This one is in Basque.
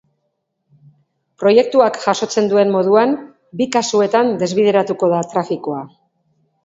Proiektuak jasotzen duen moduan, bi kasuetan desbideratuko da trafikoa.